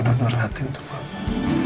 ada pendor hati untuk papa